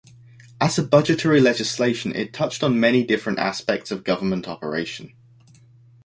As a budgetary legislation, it touched on many different aspects of government operation.